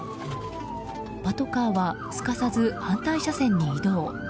パトカーはすかさず反対車線に移動。